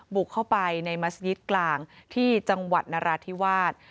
บุกเข้าไปในมัศยิตกลางที่จังหวัดนราธิวาส